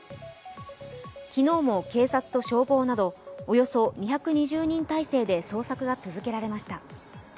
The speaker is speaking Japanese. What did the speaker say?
昨日も警察と消防などおよそ２２０人態勢で捜索が続けられました。